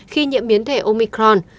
khi nhiễm biến thể omicron